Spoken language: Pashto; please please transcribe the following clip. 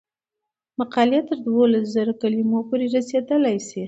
مقالې تر دولس زره کلمو پورې رسیدلی شي.